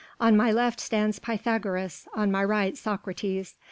On my left stands Pythagoras, on my right Socrates.